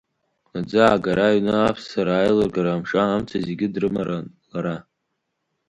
Аӡы аагара, аҩны аԥссара, аилыргара, амҿы-амца зегьы дрымаран лара.